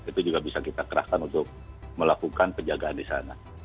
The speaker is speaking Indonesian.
itu juga bisa kita kerahkan untuk melakukan penjagaan di sana